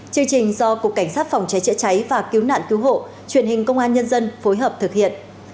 chương trình do cục cảnh sát phòng cháy chữa cháy và cứu nạn cứu hộ truyền hình công an nhân dân phối hợp thực hiện